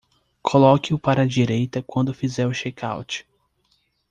Coloque-o para a direita quando fizer o check out